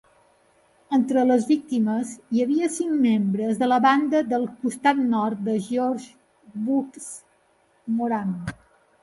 Entre les víctimes hi havia cinc membres de la banda del Costat Nord de George "Bugs" Moran.